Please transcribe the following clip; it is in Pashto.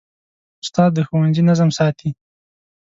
استاد د ښوونځي نظم ساتي.